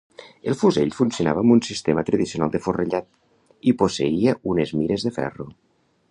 El fusell funcionava amb un sistema tradicional de forrellat, i posseïa unes mires de ferro.